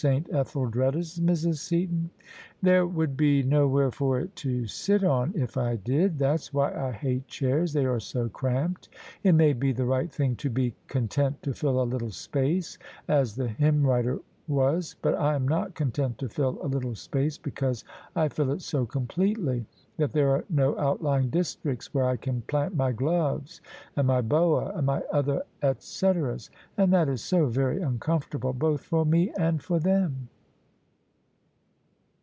Etheldreda's, Mrs. Seaton?" " There would be nowhere for it to sit on if I did. That's why I hate chairs: they are so cramped. It may be the right thing to be ' content to fill a little space ' as the hymn writer was: but I am not content to fill a little space, because I fill it so completely that there are no outlying districts where I can plant my gloves and my boa and my other et ceteras: and that is so very uncomfortable both for me and for them."